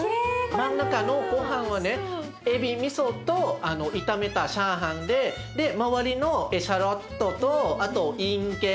真ん中のごはんはねエビみそと炒めたチャーハンで周りのエシャロットとあといんげん